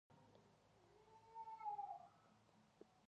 لمسی له علم سره مینه لري.